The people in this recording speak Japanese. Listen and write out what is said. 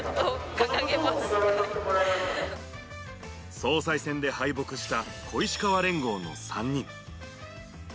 総裁選で敗北した小石河連合の３人。